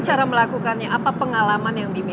jadi apa pengalaman yang dimiliki